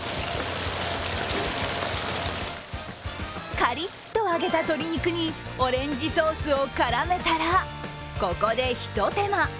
カリッと揚げた鶏肉にオレンジソースを絡めたらここで、ひと手間。